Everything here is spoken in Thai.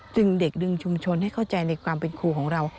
ดึงเด็กดึงชุมชนให้เข้าใจในความเป็นครูของเรา